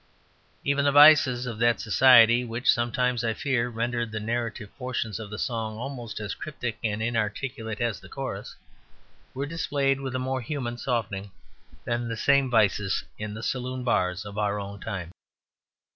Even the vices of that society (which 'sometimes, I fear, rendered the narrative portions of the song almost as cryptic and inarticulate as the chorus) were displayed with a more human softening than the same vices in the saloon bars of our own time.